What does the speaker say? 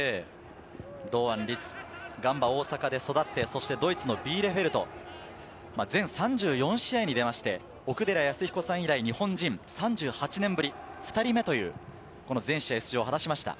堂安律、ガンバ大阪で育ってドイツのビーレフェルト、全３４試合に出まして、奥寺康彦さん以来、日本人３８年ぶり２人目という全試合出場を果たしました。